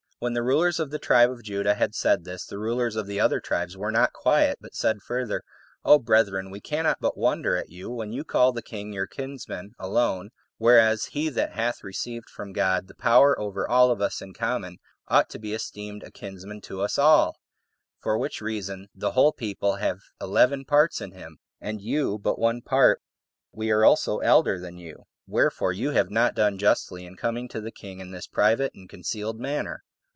When the rulers of the tribe of Judah had said this, the rulers of the other tribes were not quiet, but said further, "O brethren, we cannot but wonder at you when you call the king your kinsman alone, whereas he that hath received from God the power over all of us in common ought to be esteemed a kinsman to us all; for which reason the whole people have eleven parts in him, and you but one part 21 we are also elder than you; wherefore you have not done justly in coming to the king in this private and concealed manner."